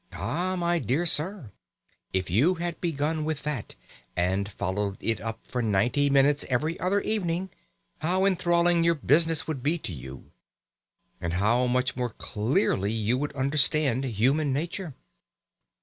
Ah, my dear sir, if you had begun with that, and followed it up for ninety minutes every other evening, how enthralling your business would be to you, and how much more clearly you would understand human nature.